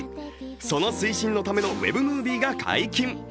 その推進のためのウェブムービーが解禁。